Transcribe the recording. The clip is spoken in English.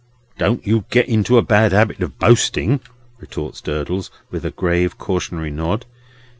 "Don't you get into a bad habit of boasting," retorts Durdles, with a grave cautionary nod.